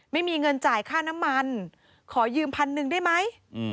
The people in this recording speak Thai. ไม่มีเงินจ่ายค่าน้ำมันขอยืมพันหนึ่งได้ไหม